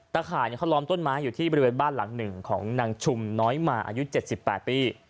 ข่ายเขาล้อมต้นไม้อยู่ที่บริเวณบ้านหลังหนึ่งของนางชุมน้อยมาอายุ๗๘ปี